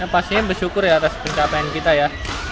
pastinya bersyukur ya atas pencapaian kita ya